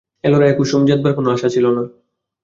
এ লড়াইয়ে কুমুর জেতবার কোনো আশা ছিল না।